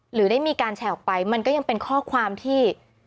หรือได้มีการแชร์ออกไปมันก็ยังเป็นข้อความที่